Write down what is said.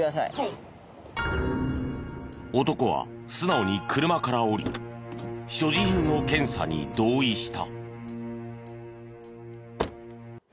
男は素直に車から降り所持品の検査に同意した。